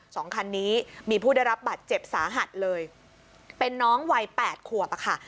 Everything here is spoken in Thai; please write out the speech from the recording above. สองคันนี้มีผู้ได้รับบัตรเจ็บสาหัสเลยเป็นน้องวัยแปดขวบอะค่ะ